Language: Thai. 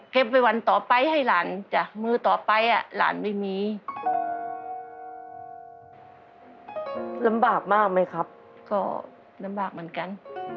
ก็ลำบากเหมือนกัน